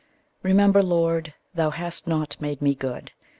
REMEMBER, Lord, thou hast not made me good.